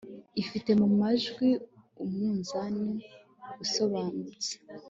ifite mu majwi umunzani usobanutse